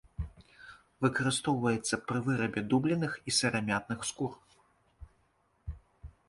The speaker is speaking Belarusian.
Выкарыстоўваецца пры вырабе дубленых і сырамятных скур.